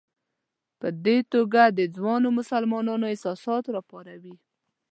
په دې توګه د ځوانو مسلمانانو احساسات راپاروي.